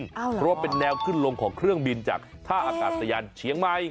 เพราะว่าเป็นแนวขึ้นลงของเครื่องบินจากท่าอากาศยานเชียงใหม่